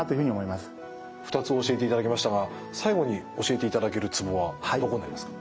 ２つ教えていただきましたが最後に教えていただけるツボはどこになりますか？